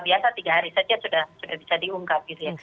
biasa tiga hari saja sudah bisa diungkap